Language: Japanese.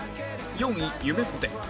４位ゆめぽて５位